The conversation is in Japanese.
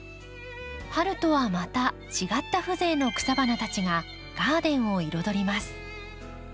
春とはまた違った風情の草花たちがガーデンを彩ります。